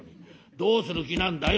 どうする気なんだよ」。